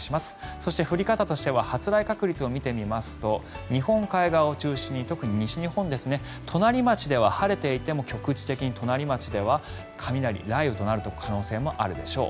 そして降り方としては発雷確率を見てみますと日本海側を中心に特に西日本隣町では晴れていても局地的に隣町では雷、雷雨となる可能性もあるでしょう。